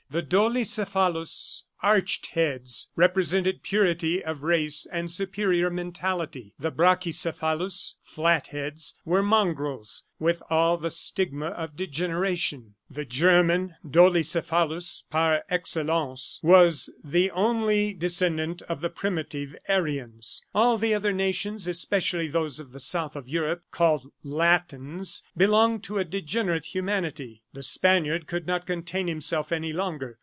The dolicephalous (arched heads) represented purity of race and superior mentality. The brachicephalous (flat heads) were mongrels with all the stigma of degeneration. The German, dolicephalous par excellence, was the only descendant of the primitive Aryans. All the other nations, especially those of the south of Europe called "latins," belonged to a degenerate humanity. The Spaniard could not contain himself any longer.